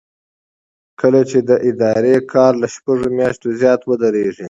کله چې د ادارې کار له شپږو میاشتو زیات ودریږي.